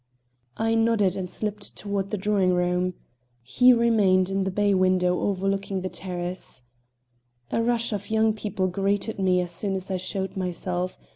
I nodded and slipped toward the drawing room. He remained in the bay window overlooking the terrace. A rush of young people greeted me as soon as I showed myself.